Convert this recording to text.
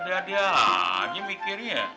ada ada aja mikirnya